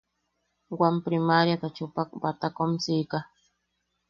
Wam priMaríata chupak batakomsika.